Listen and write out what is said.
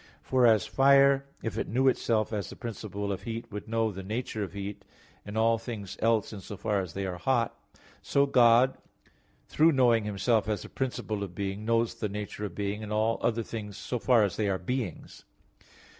For as fire, if it knew itself as the principle of heat, would know the nature of heat, and all things else in so far as they are hot; so God, through knowing Himself as the principle of being, knows the nature of being, and all other things in so far as they are beings.